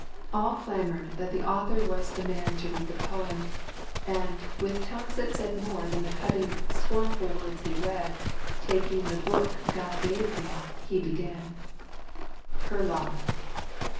All clamored that the author was the man To read the poem: and, with tones that said More than the cutting, scornful words he read, Taking the book Guy gave him, he began: HER LOVE.